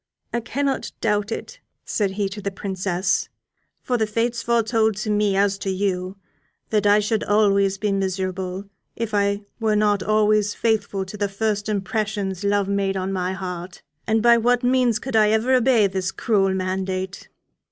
"I cannot doubt it," said he to the Princess, "for the Fates foretold to me as to you that I should always be miserable if I were not always faithful to the first impressions love made on my heart. And by what means could I ever obey this cruel mandate?